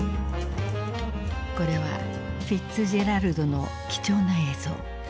これはフィッツジェラルドの貴重な映像。